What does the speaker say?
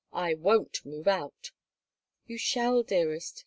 "I won't move out." "You shall, dearest.